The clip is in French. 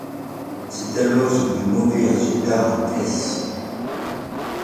C'est alors son plus mauvais résultat en Hesse.